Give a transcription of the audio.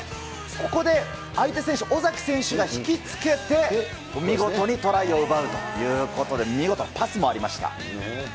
ここで相手選手、尾崎選手が引きつけて、見事にトライを奪うということで、見事、パスもありまし